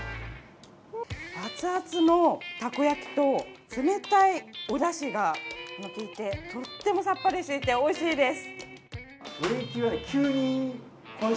アツアツのたこ焼きと冷たいおだしがきいて、とってもさっぱりしていておいしいです。